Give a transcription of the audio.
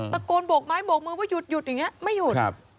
โกโบกไม้โบกมือว่าหยุดอย่างนี้ไม่หยุด